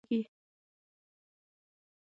هم مستقیم لګول کیږي او هم په تولید کې کاریږي.